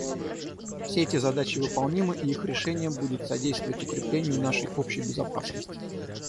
Все эти задачи выполнимы, и их решение будет содействовать укреплению нашей общей безопасности.